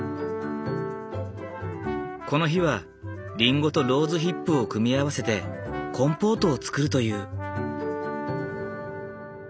この日はリンゴとローズヒップを組み合わせてコンポートを作るという。